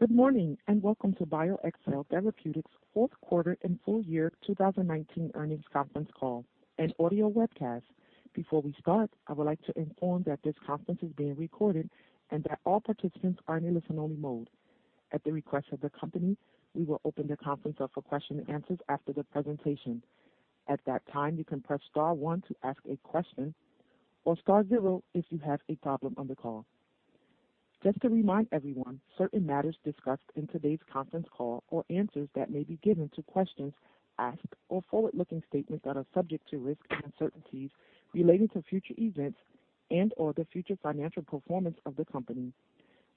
Good morning, and welcome to BioXcel Therapeutics' fourth quarter and full year 2019 earnings conference call and audio webcast. Before we start, I would like to inform that this conference is being recorded, and that all participants are in a listen-only mode. At the request of the company, we will open the conference up for question and answers after the presentation. At that time, you can press star one to ask a question or star zero if you have a problem on the call. Just to remind everyone, certain matters discussed in today's conference call or answers that may be given to questions asked are forward-looking statements that are subject to risks and uncertainties relating to future events and/or the future financial performance of the company.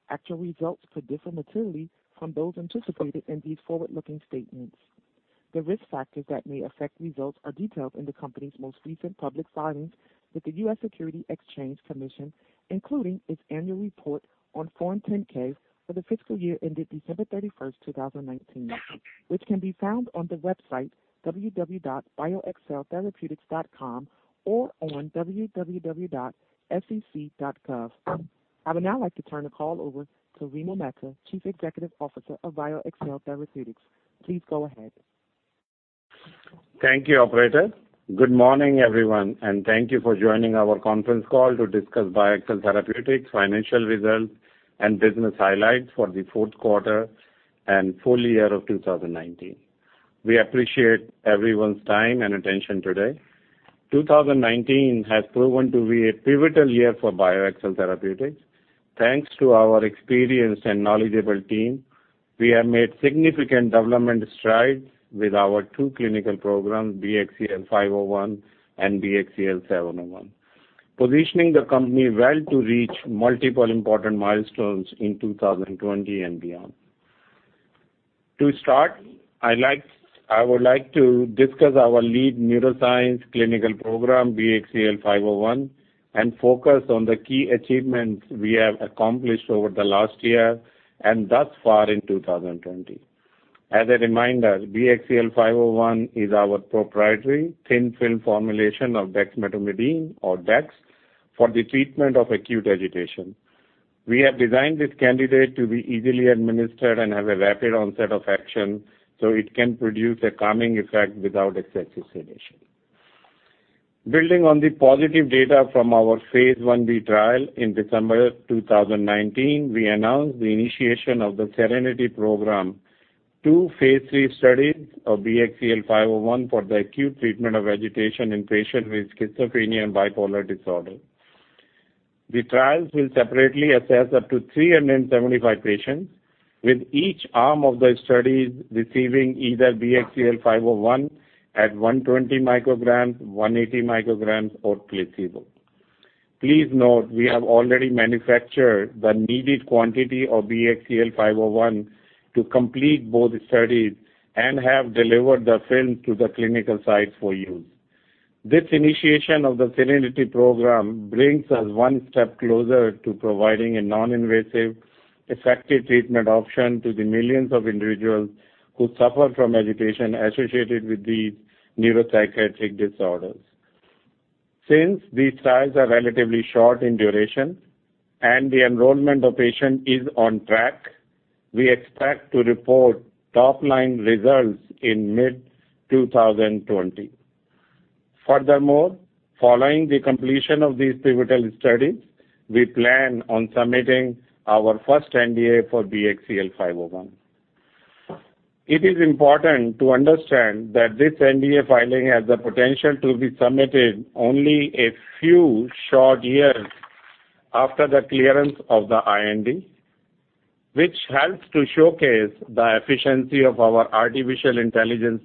Actual results could differ materially from those anticipated in these forward-looking statements. The risk factors that may affect results are detailed in the company's most recent public filings with the U.S. Securities and Exchange Commission, including its annual report on Form 10-K for the fiscal year ended December 31, 2019, which can be found on the website www.bioxceltherapeutics.com or on www.sec.gov. I would now like to turn the call over to Vimal Mehta, Chief Executive Officer of BioXcel Therapeutics. Please go ahead. Thank you, operator. Good morning, everyone, and thank you for joining our conference call to discuss BioXcel Therapeutics' financial results and business highlights for the fourth quarter and full year of 2019. We appreciate everyone's time and attention today. 2019 has proven to be a pivotal year for BioXcel Therapeutics. Thanks to our experienced and knowledgeable team, we have made significant development strides with our two clinical programs, BXCL501 and BXCL701, positioning the company well to reach multiple important milestones in 2020 and beyond. To start, I would like to discuss our lead neuroscience clinical program, BXCL501, and focus on the key achievements we have accomplished over the last year and thus far in 2020. As a reminder, BXCL501 is our proprietary thin film formulation of dexmedetomidine or dex for the treatment of acute agitation. We have designed this candidate to be easily administered and have a rapid onset of action, so it can produce a calming effect without excessive sedation. Building on the positive data from our phase I-B trial in December 2019, we announced the initiation of the SERENITY program, two phase III studies of BXCL501 for the acute treatment of agitation in patients with schizophrenia and bipolar disorder. The trials will separately assess up to 375 patients, with each arm of the studies receiving either BXCL501 at 120 μg, 180 μg, or placebo. Please note we have already manufactured the needed quantity of BXCL501 to complete both studies and have delivered the film to the clinical sites for use. This initiation of the SERENITY program brings us one step closer to providing a non-invasive, effective treatment option to the millions of individuals who suffer from agitation associated with these neuropsychiatric disorders. Since these trials are relatively short in duration and the enrollment of patients is on track, we expect to report top-line results in mid-2020. Following the completion of these pivotal studies, we plan on submitting our first NDA for BXCL501. It is important to understand that this NDA filing has the potential to be submitted only a few short years after the clearance of the IND, which helps to showcase the efficiency of our artificial intelligence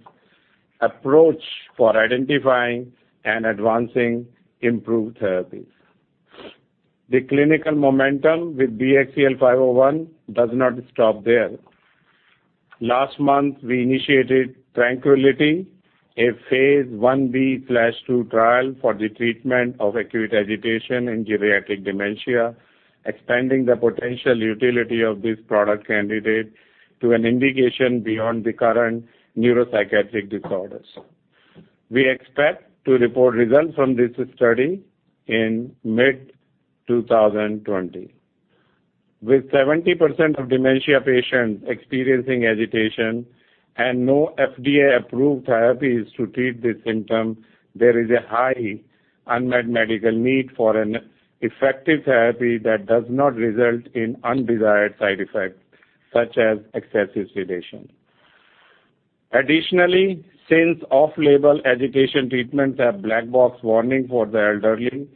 approach for identifying and advancing improved therapies. The clinical momentum with BXCL501 does not stop there. Last month, we initiated TRANQUILITY, a phase I-B/II trial for the treatment of acute agitation in geriatric dementia, expanding the potential utility of this product candidate to an indication beyond the current neuropsychiatric disorders. We expect to report results from this study in mid-2020. With 70% of dementia patients experiencing agitation and no FDA-approved therapies to treat this symptom, there is a high unmet medical need for an effective therapy that does not result in undesired side effects, such as excessive sedation. Since off-label agitation treatments have black box warning for the elderly,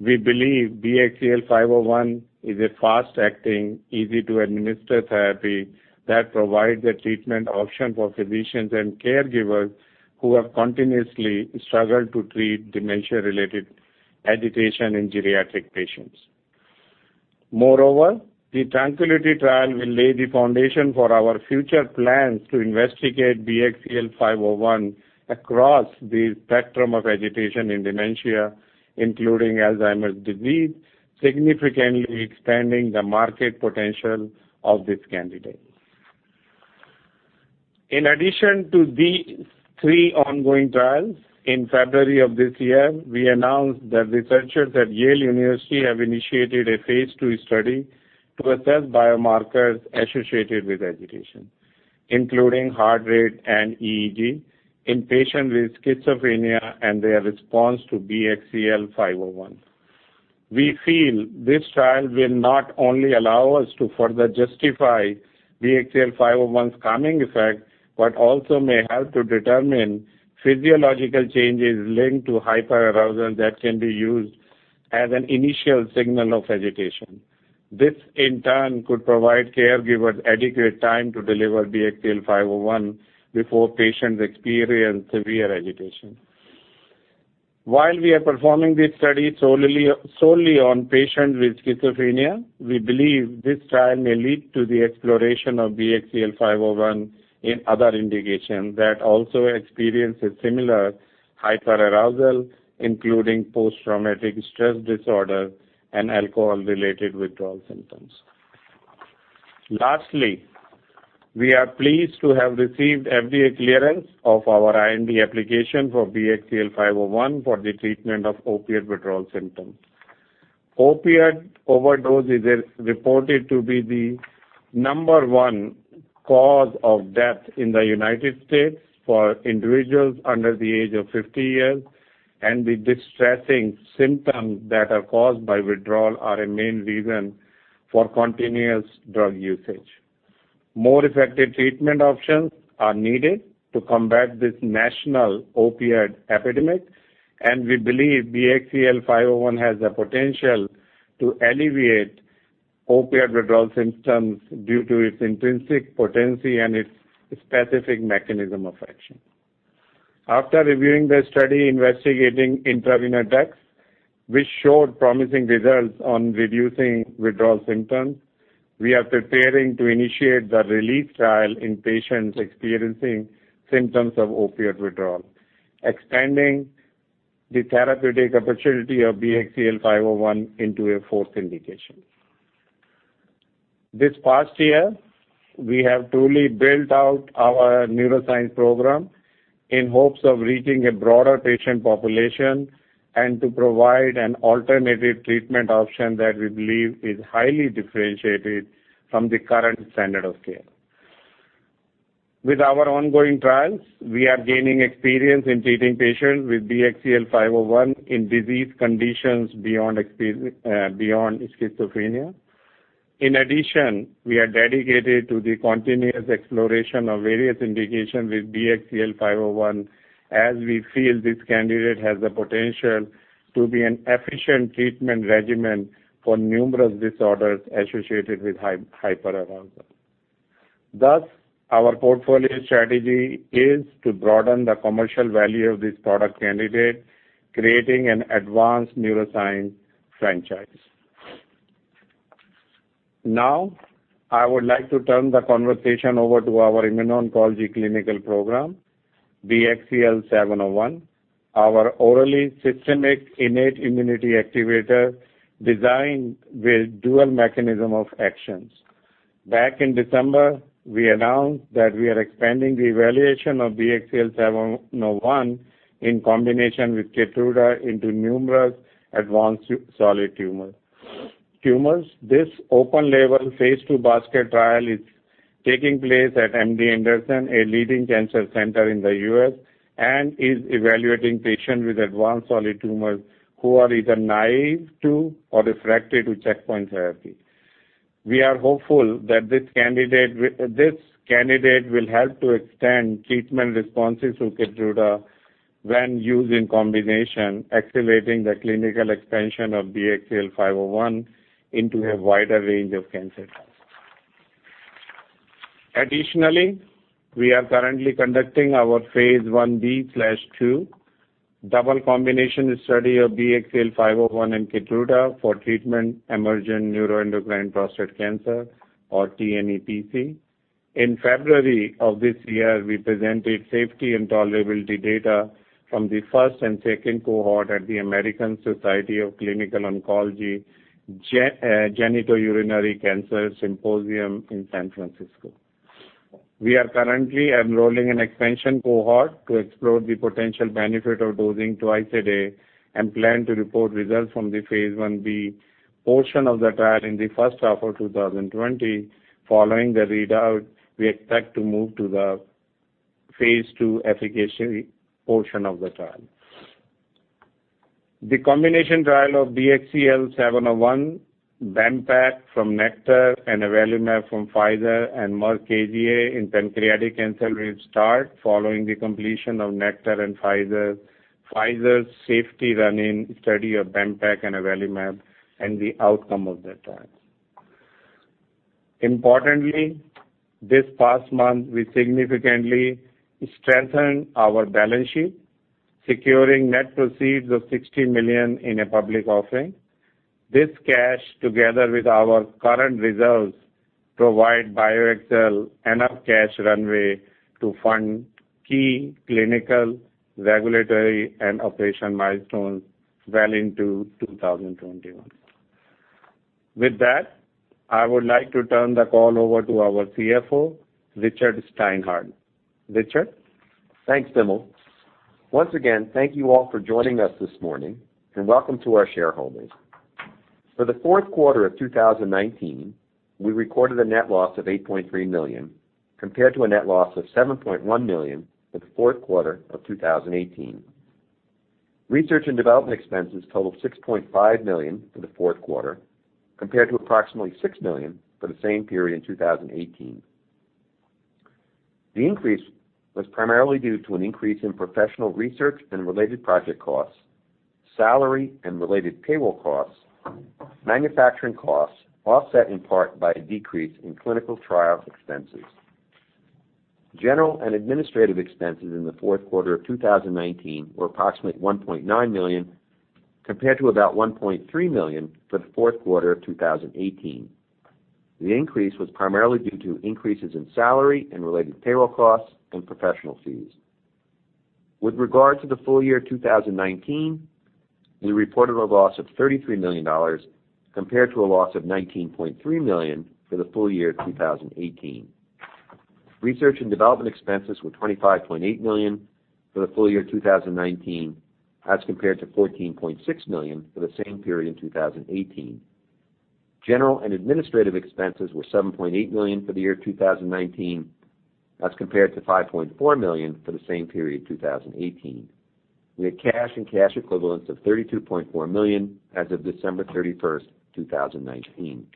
we believe BXCL501 is a fast-acting, easy-to-administer therapy that provides a treatment option for physicians and caregivers who have continuously struggled to treat dementia-related agitation in geriatric patients. Moreover, the TRANQUILITY trial will lay the foundation for our future plans to investigate BXCL501 across the spectrum of agitation in dementia, including Alzheimer's disease, significantly expanding the market potential of this candidate. In addition to these three ongoing trials, in February of this year, we announced that researchers at Yale University have initiated a phase II study to assess biomarkers associated with agitation, including heart rate and EEG, in patients with schizophrenia and their response to BXCL501. We feel this trial will not only allow us to further justify BXCL501's calming effect, but also may help to determine physiological changes linked to hyperarousal that can be used as an initial signal of agitation. This, in turn, could provide caregivers adequate time to deliver BXCL501 before patients experience severe agitation. While we are performing this study solely on patients with schizophrenia, we believe this trial may lead to the exploration of BXCL501 in other indications that also experience a similar hyperarousal, including post-traumatic stress disorder and alcohol-related withdrawal symptoms. Lastly, we are pleased to have received FDA clearance of our IND application for BXCL501 for the treatment of opiate withdrawal symptoms. Opiate overdose is reported to be the number one cause of death in the United States for individuals under the age of 50 years, and the distressing symptoms that are caused by withdrawal are a main reason for continuous drug usage. More effective treatment options are needed to combat this national opioid epidemic, and we believe BXCL501 has the potential to alleviate opioid withdrawal symptoms due to its intrinsic potency and its specific mechanism of action. After reviewing the study investigating intravenous dex, which showed promising results on reducing withdrawal symptoms, we are preparing to initiate the RELEASE trial in patients experiencing symptoms of opioid withdrawal, expanding the therapeutic opportunity of BXCL501 into a fourth indication. This past year, we have truly built out our neuroscience program in hopes of reaching a broader patient population and to provide an alternative treatment option that we believe is highly differentiated from the current standard of care. With our ongoing trials, we are gaining experience in treating patients with BXCL501 in disease conditions beyond schizophrenia. In addition, we are dedicated to the continuous exploration of various indications with BXCL501 as we feel this candidate has the potential to be an efficient treatment regimen for numerous disorders associated with hyperarousal. Thus, our portfolio strategy is to broaden the commercial value of this product candidate, creating an advanced neuroscience franchise. Now, I would like to turn the conversation over to our immuno-oncology clinical program, BXCL701, our orally systemic innate immunity activator designed with dual mechanism of actions. Back in December, we announced that we are expanding the evaluation of BXCL701 in combination with KEYTRUDA into numerous advanced solid tumors. This open-label, phase II basket trial is taking place at MD Anderson, a leading cancer center in the U.S., and is evaluating patients with advanced solid tumors who are either naive to or refractory to checkpoint therapy. We are hopeful that this candidate will help to extend treatment responses to KEYTRUDA when used in combination, activating the clinical expansion of BXCL501 into a wider range of cancer types. We are currently conducting our phase I-B/II double combination study of BXCL501 and KEYTRUDA for treatment-emergent neuroendocrine prostate cancer or tNEPC. In February of this year, we presented safety and tolerability data from the first and second cohort at the American Society of Clinical Oncology Genitourinary Cancers Symposium in San Francisco. We are currently enrolling an expansion cohort to explore the potential benefit of dosing twice a day and plan to report results from the phase I-B portion of the trial in the first half of 2020. Following the readout, we expect to move to the phase II efficacy portion of the trial. The combination trial of BXCL701, BEMPEG from Nektar, and Avelumab from Pfizer and Merck KGaA in pancreatic cancer will start following the completion of Nektar and Pfizer's safety run-in study of BEMPEG and Avelumab and the outcome of that trial. Importantly, this past month, we significantly strengthened our balance sheet, securing net proceeds of $60 million in a public offering. This cash, together with our current reserves, provide BioXcel enough cash runway to fund key clinical, regulatory, and operational milestones well into 2021. With that, I would like to turn the call over to our CFO, Richard Steinhart. Richard? Thanks, Vimal. Once again, thank you all for joining us this morning, and welcome to our shareholders. For the fourth quarter of 2019, we recorded a net loss of $8.3 million, compared to a net loss of $7.1 million for the fourth quarter of 2018. Research and development expenses totaled $6.5 million for the fourth quarter, compared to approximately $6 million for the same period in 2018. The increase was primarily due to an increase in professional research and related project costs, salary and related payroll costs, manufacturing costs, offset in part by a decrease in clinical trial expenses. General and administrative expenses in the fourth quarter of 2019 were approximately $1.9 million, compared to about $1.3 million for the fourth quarter of 2018. The increase was primarily due to increases in salary and related payroll costs and professional fees. With regard to the full year 2019, we reported a loss of $33 million, compared to a loss of $19.3 million for the full year 2018. Research and development expenses were $25.8 million for the full year 2019, as compared to $14.6 million for the same period in 2018. General and administrative expenses were $7.8 million for the year 2019, as compared to $5.4 million for the same period, 2018. We had cash and cash equivalents of $32.4 million as of December 31st, 2019.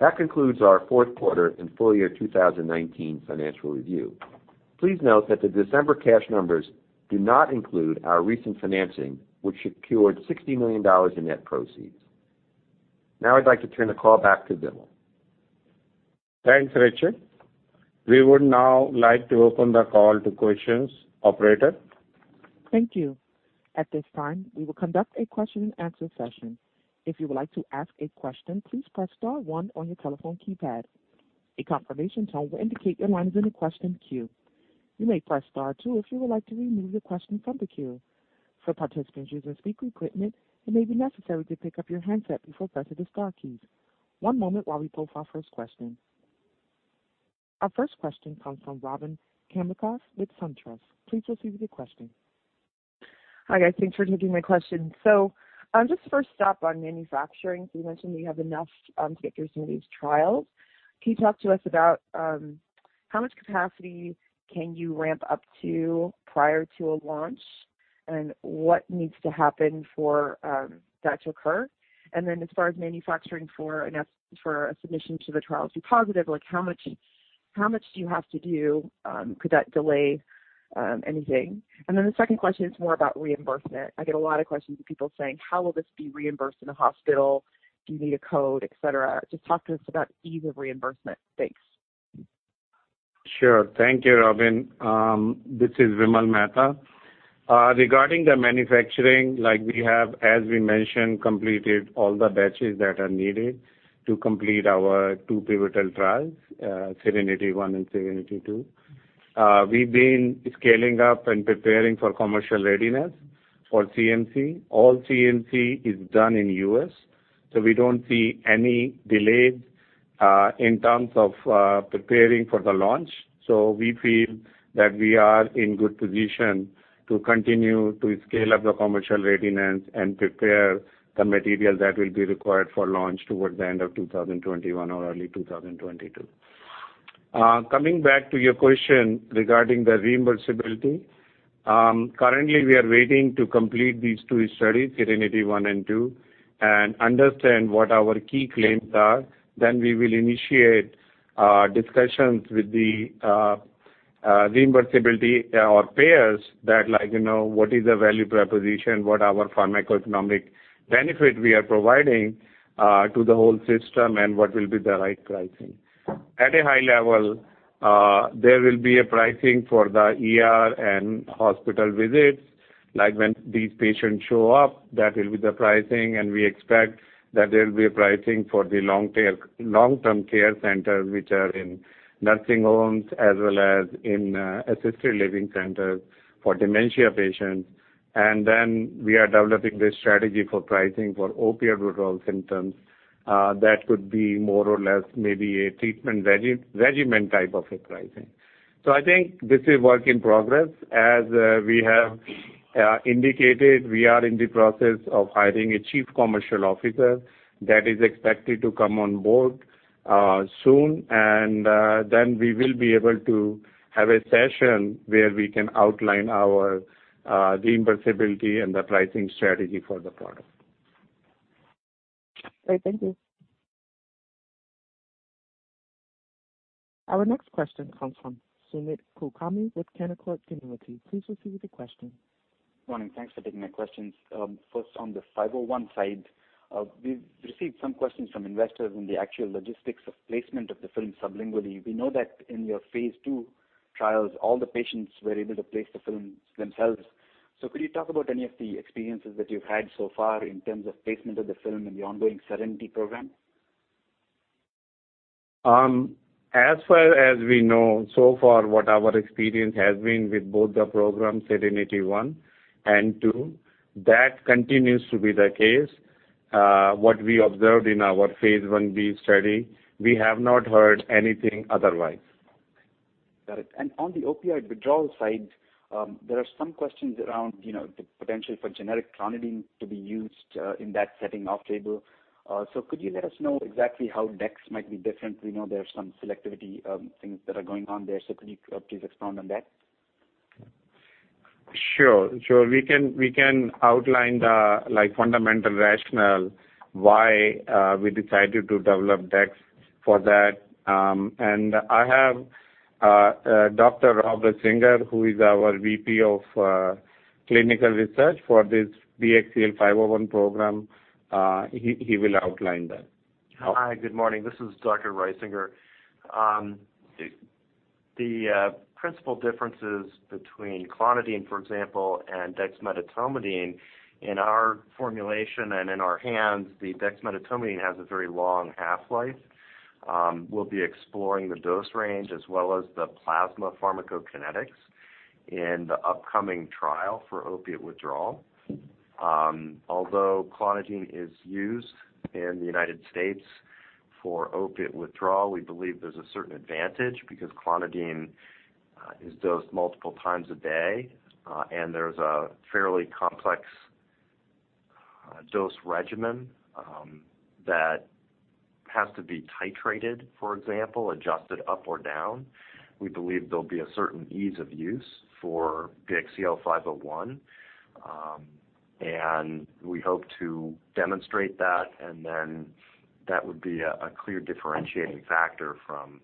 That concludes our fourth quarter and full year 2019 financial review. Please note that the December cash numbers do not include our recent financing, which secured $60 million in net proceeds. I'd like to turn the call back to Vimal. Thanks, Richard. We would now like to open the call to questions. Operator? Thank you. At this time, we will conduct a question and answer session. If you would like to ask a question, please press star one on your telephone keypad. A confirmation tone will indicate your line is in the question queue. You may press star two if you would like to remove your question from the queue. For participants using speaker equipment, it may be necessary to pick up your handset before pressing the star keys. One moment while we pull our first question. Our first question comes from Robyn Karnauskas with SunTrust. Please proceed with your question. Hi, guys. Thanks for taking my question. Just first stop on manufacturing, you mentioned that you have enough to get through some of these trials. Can you talk to us about how much capacity can you ramp up to prior to a launch, and what needs to happen for that to occur? As far as manufacturing for enough for a submission to the trials be positive, how much do you have to do? Could that delay anything? The second question is more about reimbursement. I get a lot of questions with people saying, "How will this be reimbursed in the hospital? Do you need a code," et cetera. Just talk to us about ease of reimbursement. Thanks. Sure. Thank you, Robyn. This is Vimal Mehta. Regarding the manufacturing, like we have, as we mentioned, completed all the batches that are needed to complete our two pivotal trials, SERENITY I and SERENITY II. We've been scaling up and preparing for commercial readiness for CMC. All CMC is done in U.S. We don't see any delays, in terms of preparing for the launch. We feel that we are in good position to continue to scale up the commercial readiness and prepare the material that will be required for launch towards the end of 2021 or early 2022. Coming back to your question regarding the reimbursability. Currently, we are waiting to complete these two studies, SERENITY I and II, and understand what our key claims are. We will initiate discussions with the reimbursability or payers that like, what is the value proposition, what are our pharmacoeconomic benefit we are providing to the whole system, and what will be the right pricing. At a high level, there will be a pricing for the ER and hospital visits, like when these patients show up, that will be the pricing, and we expect that there will be a pricing for the long-term care centers, which are in nursing homes as well as in assisted living centers for dementia patients. We are developing the strategy for pricing for opioid withdrawal symptoms, that could be more or less maybe a treatment regimen type of a pricing. I think this is work in progress. As we have indicated, we are in the process of hiring a chief commercial officer that is expected to come on board soon, and then we will be able to have a session where we can outline our reimbursability and the pricing strategy for the product. Great. Thank you. Our next question comes from Sumant Kulkarni with Canaccord Genuity. Please proceed with your question. Morning. Thanks for taking my questions. On the 501 side, we've received some questions from investors on the actual logistics of placement of the film sublingually. We know that in your phase II trials, all the patients were able to place the films themselves. Could you talk about any of the experiences that you've had so far in terms of placement of the film in the ongoing SERENITY program? As far as we know, so far what our experience has been with both the programs, SERENITY I and II, that continues to be the case, what we observed in our phase I-B study. We have not heard anything otherwise. Got it. On the opioid withdrawal side, there are some questions around the potential for generic clonidine to be used in that setting off-label. Could you let us know exactly how dex might be different? We know there's some selectivity, things that are going on there. Could you please expand on that? Sure. We can outline the fundamental rationale why we decided to develop dex for that. I have Dr. Rob Risinger, who is our VP of Clinical Research for this BXCL501 program. He will outline that. Hi, good morning. This is Dr. Risinger. The principal differences between clonidine, for example, and dexmedetomidine in our formulation and in our hands, the dexmedetomidine has a very long half-life. We'll be exploring the dose range as well as the plasma pharmacokinetics in the upcoming trial for opiate withdrawal. Although clonidine is used in the United States for opiate withdrawal, we believe there's a certain advantage because clonidine is dosed multiple times a day. There's a fairly complex dose regimen, that has to be titrated, for example, adjusted up or down. We believe there'll be a certain ease of use for BXCL501. We hope to demonstrate that, and then that would be a clear differentiating factor from,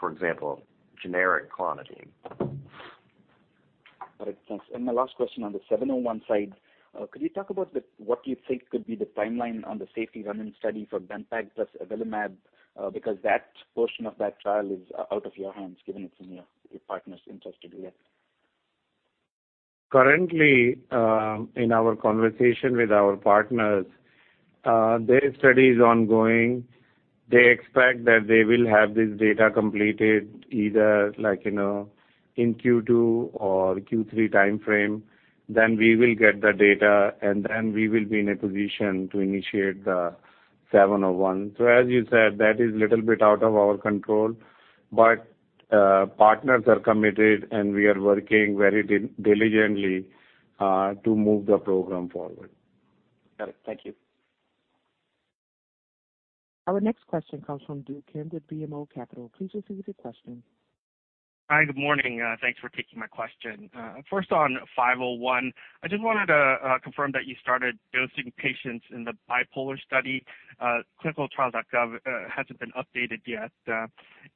for example, generic clonidine. Got it. Thanks. My last question on the 701 side, could you talk about what you think could be the timeline on the safety run-in study for BEMPEG plus Avelumab? Because that portion of that trial is out of your hands, given it's in your partner's interest to do that. Currently, in our conversation with our partners, their study is ongoing. They expect that they will have this data completed either in Q2 or Q3 timeframe. We will get the data, and then we will be in a position to initiate the 701. As you said, that is little bit out of our control, but partners are committed, and we are working very diligently to move the program forward. Got it. Thank you. Our next question comes from Do Kim with BMO Capital. Please proceed with your question. Hi, good morning. Thanks for taking my question. First on 501, I just wanted to confirm that you started dosing patients in the bipolar study. Clinicaltrials.gov hasn't been updated yet.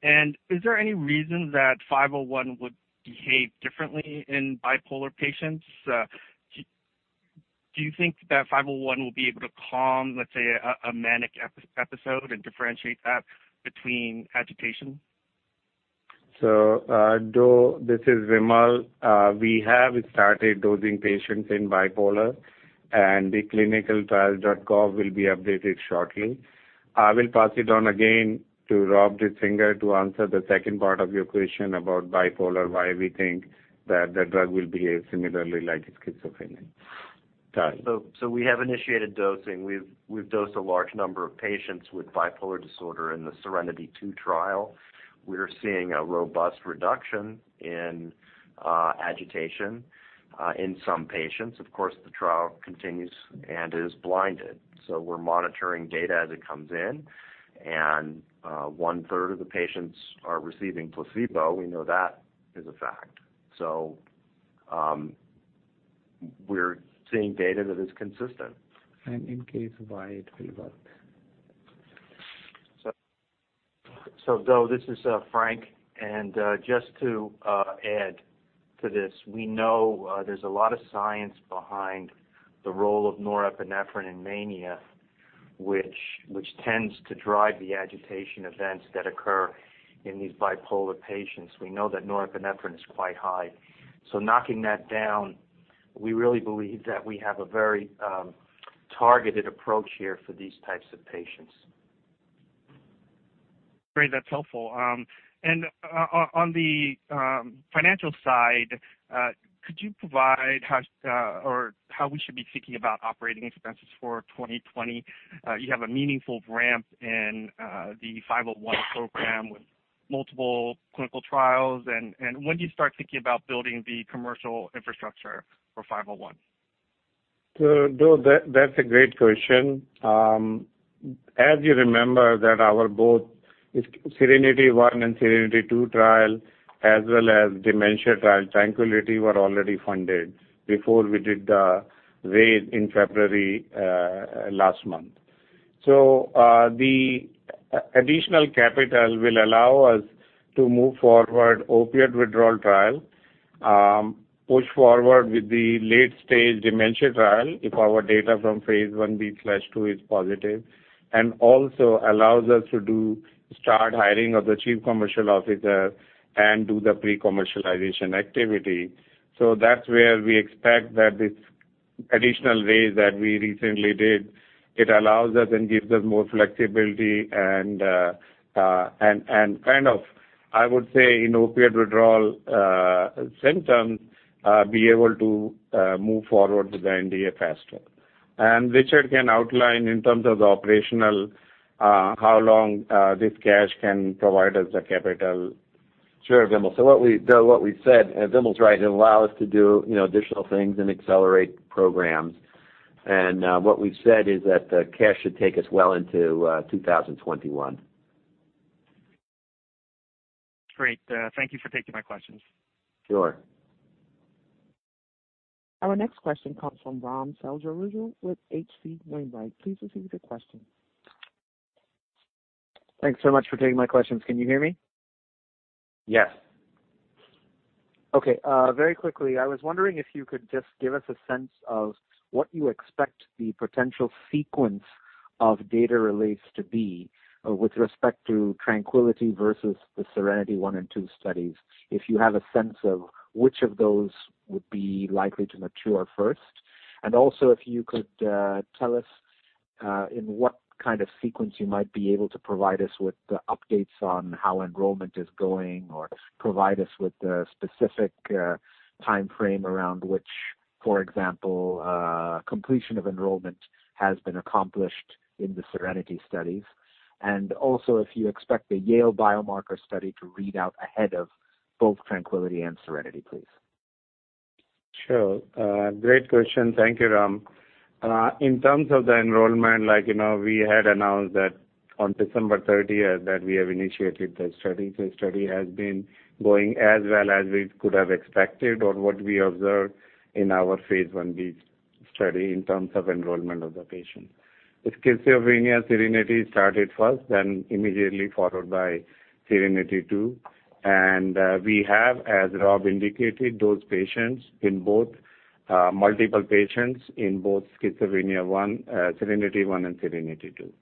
Is there any reason that 501 would behave differently in bipolar patients? Do you think that 501 will be able to calm, let's say, a manic episode and differentiate that between agitation? Do, this is Vimal. We have started dosing patients in bipolar, and the clinicaltrials.gov will be updated shortly. I will pass it on again to Rob Risinger to answer the second part of your question about bipolar, why we think that the drug will behave similarly like in schizophrenia. Got it. We have initiated dosing. We've dosed a large number of patients with bipolar disorder in the SERENITY II trial. We're seeing a robust reduction in agitation in some patients. Of course, the trial continues and is blinded, so we're monitoring data as it comes in. One-third of the patients are receiving placebo. We know that as a fact. We're seeing data that is consistent. In case why it will work. Do, this is Frank, and just to add to this. We know there's a lot of science behind the role of norepinephrine in mania, which tends to drive the agitation events that occur in these bipolar patients. We know that norepinephrine is quite high. Knocking that down, we really believe that we have a very targeted approach here for these types of patients. Great. That's helpful. On the financial side, could you provide how we should be thinking about operating expenses for 2020? You have a meaningful ramp in the 501 program with multiple clinical trials. When do you start thinking about building the commercial infrastructure for 501? Do, that's a great question. As you remember, that our both SERENITY I and SERENITY II trial, as well as dementia trial TRANQUILITY were already funded before we did the raise in February, last month. The additional capital will allow us to move forward opioid withdrawal trial, push forward with the late-stage dementia trial if our data from phase I-B/II is positive, and also allows us to start hiring of the Chief Commercial Officer and do the pre-commercialization activity. That's where we expect that this additional raise that we recently did, it allows us and gives us more flexibility and kind of, I would say, in opioid withdrawal symptoms, be able to move forward with the NDA faster. Richard can outline in terms of the operational, how long this cash can provide us the capital. Sure, Vimal. What we've said, Vimal's right. It allow us to do additional things and accelerate programs. What we've said is that the cash should take us well into 2021. Great. Thank you for taking my questions. Sure. Our next question comes from Ram Selvaraju with H.C. Wainwright. Please proceed with your question. Thanks so much for taking my questions. Can you hear me? Yes. Okay. Very quickly, I was wondering if you could just give us a sense of what you expect the potential sequence of data release to be with respect to TRANQUILITY versus the SERENITY I and II studies. If you have a sense of which of those would be likely to mature first. Also if you could tell us in what kind of sequence you might be able to provide us with updates on how enrollment is going or provide us with a specific timeframe around which, for example, completion of enrollment has been accomplished in the SERENITY studies. Also, if you expect the Yale University biomarker study to read out ahead of both TRANQUILITY and SERENITY, please. Sure. Great question. Thank you, Ram. In terms of the enrollment, we had announced that on December 30th, that we have initiated the study. The study has been going as well as we could have expected or what we observed in our phase I-B study in terms of enrollment of the patient. With schizophrenia, SERENITY started first, then immediately followed by SERENITY II. We have, as Rob indicated, multiple patients in both SERENITY I and SERENITY II.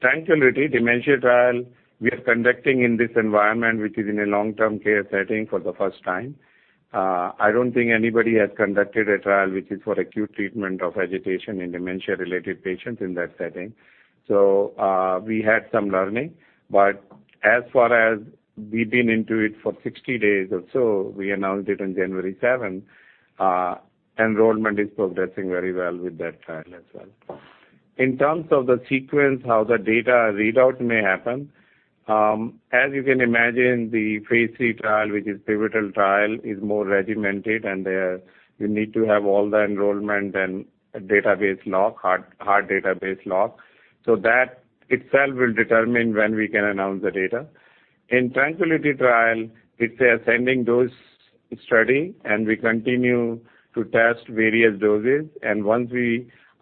Tranquility dementia trial, we are conducting in this environment, which is in a long-term care setting for the first time. I don't think anybody has conducted a trial which is for acute treatment of agitation in dementia-related patients in that setting. We had some learning, but as far as we've been into it for 60 days or so, we announced it on January 7th, enrollment is progressing very well with that trial as well. In terms of the sequence, how the data readout may happen, as you can imagine, the phase III trial, which is pivotal trial, is more regimented, and you need to have all the enrollment and hard database lock. That itself will determine when we can announce the data. In TRANQUILITY trial, it's ascending dose study, and we continue to test various doses. Once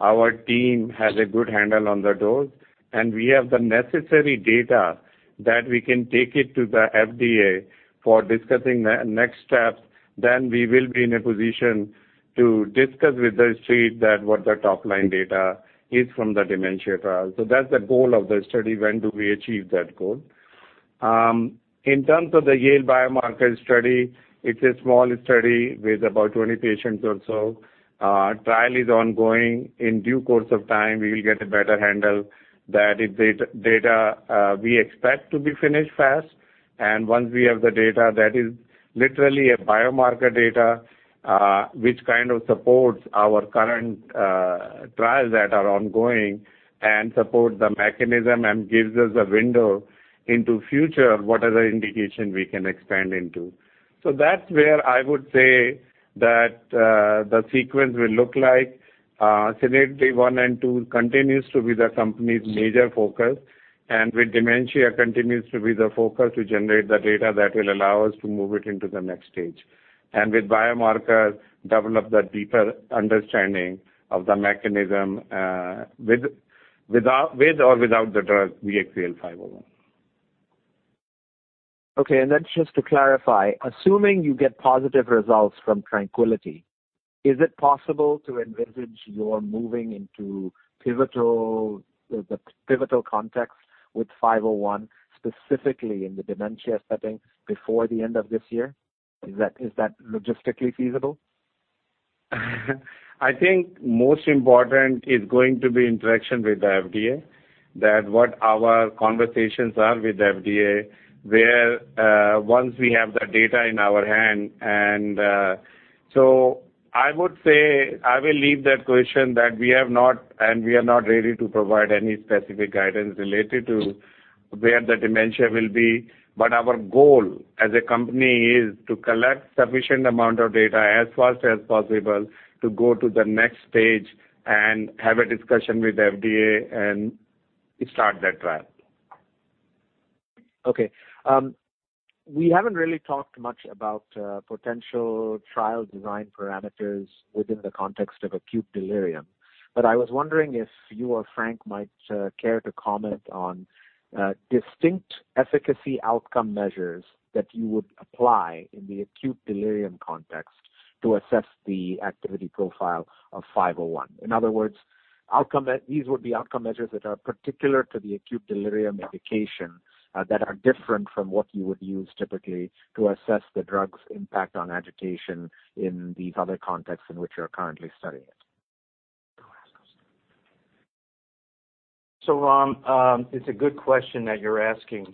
our team has a good handle on the dose, and we have the necessary data that we can take it to the FDA for discussing the next steps, we will be in a position to discuss with the Street what the top-line data is from the dementia trial. That's the goal of the study. When do we achieve that goal? In terms of the Yale biomarker study, it's a small study with about 20 patients or so. Trial is ongoing. In due course of time, we will get a better handle. That data we expect to be finished fast, and once we have the data that is literally a biomarker data, which kind of supports our current trials that are ongoing and support the mechanism and gives us a window into future, what are the indication we can expand into. That's where I would say that the sequence will look like. SERENITY I and II continues to be the company's major focus, and with dementia continues to be the focus to generate the data that will allow us to move it into the next stage. With biomarkers, develop the deeper understanding of the mechanism with or without the drug, BXCL501. Okay. Just to clarify, assuming you get positive results from TRANQUILITY, is it possible to envisage your moving into pivotal context with 501, specifically in the dementia setting before the end of this year? Is that logistically feasible? I think most important is going to be interaction with the FDA, that what our conversations are with FDA, where once we have the data in our hand. I would say I will leave that question that we have not and we are not ready to provide any specific guidance related to where the dementia will be. Our goal as a company is to collect sufficient amount of data as fast as possible to go to the next stage and have a discussion with FDA and start that trial. Okay. We haven't really talked much about potential trial design parameters within the context of acute delirium, but I was wondering if you or Frank might care to comment on distinct efficacy outcome measures that you would apply in the acute delirium context to assess the activity profile of 501. In other words, these would be outcome measures that are particular to the acute delirium indication that are different from what you would use typically to assess the drug's impact on agitation in these other contexts in which you're currently studying it. Ram, it's a good question that you're asking.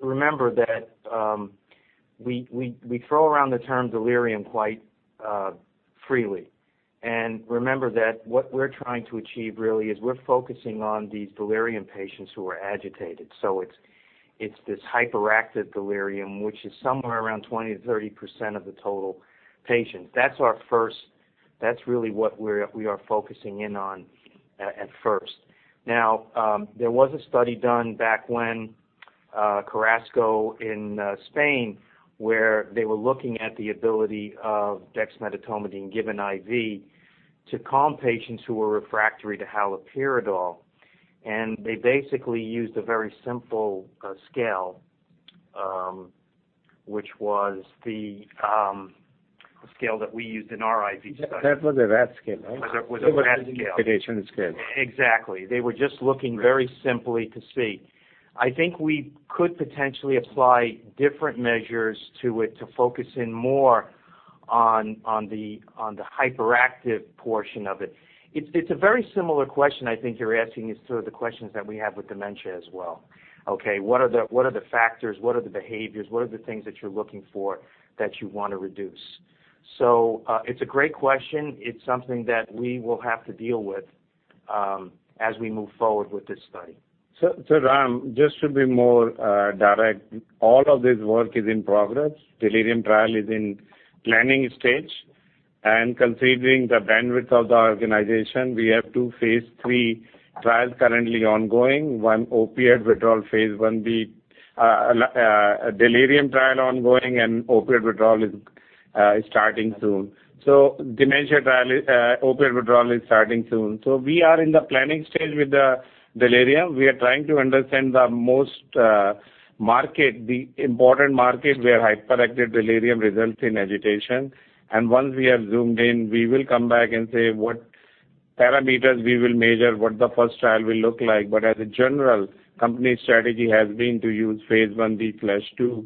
Remember that we throw around the term delirium quite freely, and remember that what we're trying to achieve really is we're focusing on these delirium patients who are agitated. It's this hyperactive delirium, which is somewhere around 20%-30% of the total patients. That's really what we are focusing in on at first. There was a study done back when Carrasco in Spain, where they were looking at the ability of dexmedetomidine given IV to calm patients who were refractory to haloperidol, and they basically used a very simple scale, which was the scale that we used in our IV study. That was a RASS scale, right? That was a RASS scale. It wasn't an agitation scale. Exactly. They were just looking very simply to see. I think we could potentially apply different measures to it to focus in more on the hyperactive portion of it. It's a very similar question, I think you're asking is sort of the questions that we have with dementia as well. Okay, what are the factors? What are the behaviors? What are the things that you're looking for that you want to reduce? It's a great question. It's something that we will have to deal with as we move forward with this study. Ram, just to be more direct, all of this work is in progress. Delirium trial is in planning stage and considering the bandwidth of the organization, we have two phase III trials currently ongoing. One opioid withdrawal, phase I-B, delirium trial ongoing, and opioid withdrawal is starting soon. Dementia trial, opioid withdrawal is starting soon. We are in the planning stage with the delirium. We are trying to understand the most market, the important market where hyperactive delirium results in agitation. Once we have zoomed in, we will come back and say what parameters we will measure, what the first trial will look like. As a general, company strategy has been to use phase I-B/II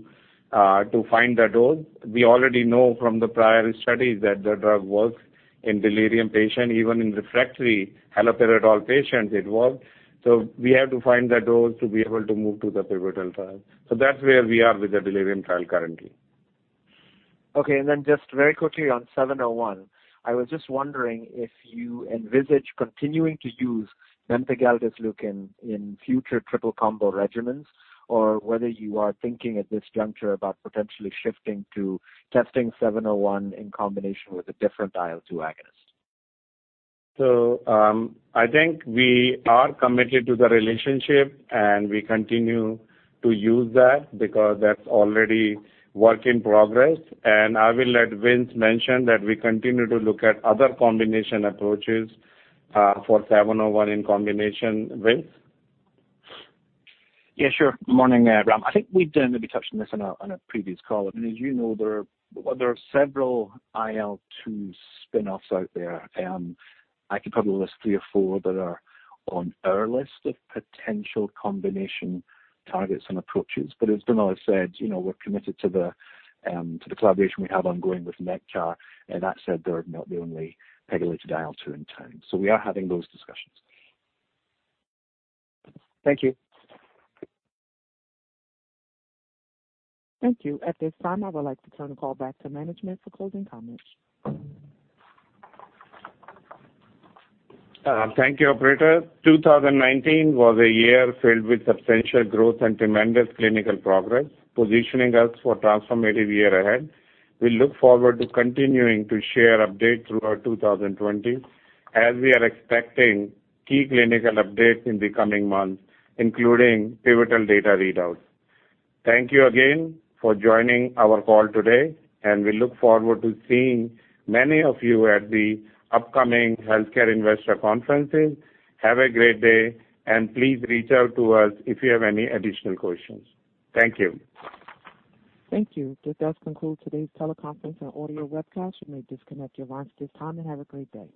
to find the dose. We already know from the prior studies that the drug works in delirium patient, even in refractory haloperidol patients, it works. We have to find the dose to be able to move to the pivotal trial. That's where we are with the delirium trial currently. Okay. Just very quickly on 701, I was just wondering if you envisage continuing to use bempegaldesleukin in future triple combo regimens or whether you are thinking at this juncture about potentially shifting to testing 701 in combination with a different IL-2 agonist? I think we are committed to the relationship, and we continue to use that because that's already work in progress. I will let Vince mention that we continue to look at other combination approaches for 701 in combination. Vince? Yeah, sure. Morning, Ram. I think maybe touched on this on a previous call. As you know, there are several IL-2 spinoffs out there. I can probably list three or four that are on our list of potential combination targets and approaches. As Vimal has said, we're committed to the collaboration we have ongoing with Nektar, and that said, they're not the only pegylated IL-2 in town. We are having those discussions. Thank you. Thank you. At this time, I would like to turn the call back to management for closing comments. Thank you, operator. 2019 was a year filled with substantial growth and tremendous clinical progress, positioning us for a transformative year ahead. We look forward to continuing to share updates throughout 2020 as we are expecting key clinical updates in the coming months, including pivotal data readouts. Thank you again for joining our call today, and we look forward to seeing many of you at the upcoming healthcare investor conferences. Have a great day, and please reach out to us if you have any additional questions. Thank you. Thank you. This does conclude today's teleconference and audio webcast. You may disconnect your lines at this time, and have a great day.